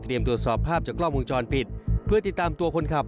ตรวจสอบภาพจากกล้องวงจรปิดเพื่อติดตามตัวคนขับ